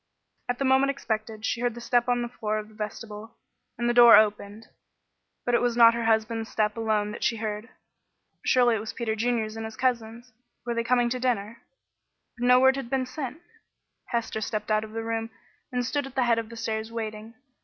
At the moment expected she heard the step on the floor of the vestibule, and the door opened, but it was not her husband's step alone that she heard. Surely it was Peter Junior's and his cousin's. Were they coming to dinner? But no word had been sent. Hester stepped out of the room and stood at the head of the stairs waiting.